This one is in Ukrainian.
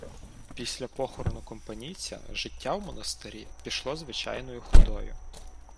Після похорону Компанійця життя в монастирі пішло звичайною ходою.